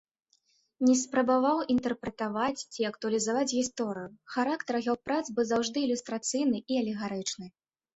Не спрабаваў інтэрпрэтаваць ці актуалізаваць гісторыю, характар яго прац быў заўжды ілюстрацыйны і алегарычны.